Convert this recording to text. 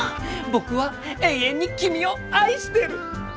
僕は永遠に君を愛してる！